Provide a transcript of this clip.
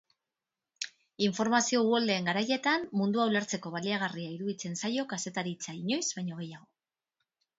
Informazio uholdeen garaietan, mundua ulertzeko baliagarria iruditzen zaio kazetaritza inoiz baino gehiago.